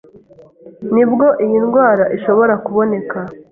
nibwo iyi ndwara ishobora kuboneka,